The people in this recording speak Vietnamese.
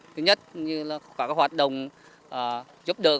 thứ nhất là các hoạt động giúp đỡ